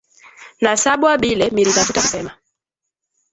Nasabwa bile miri tafuta kusema